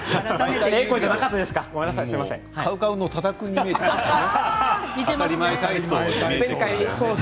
ＣＯＷＣＯＷの多田君に見えてね。